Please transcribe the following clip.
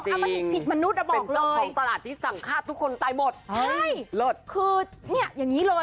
เป็นสนของตลาดที่สั่งฆาตทุกคนตายหมด